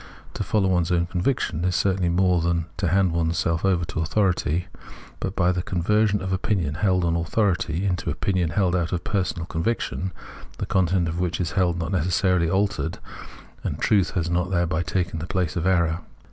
To follow one's own con viction is certainly more than to hand oneself over to authority ; but by the conversion of opinion held on authority into opinion held out of personal con viction, the content of what is held is not necessarily altered, and truth has not thereby taken the place of error.